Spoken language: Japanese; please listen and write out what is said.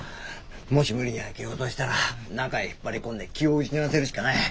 もし無理に開けようとしたら中へ引っ張り込んで気を失わせるしかない。